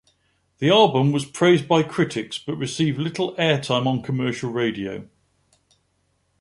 The album was praised by critics but received little airtime on commercial radio.